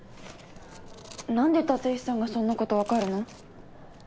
何で立石さんがそんなこと分かるの？